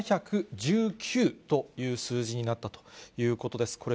３７１９という数字になったということです。